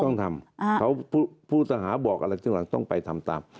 ต้องทำเขาผู้สหาบอกอะไรจึงต้องไปทำตาม